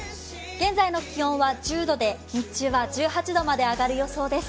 現在の気温は１０度で日中は１８度まで上がる予定です。